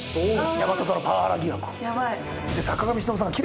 山里のパワハラ疑惑を。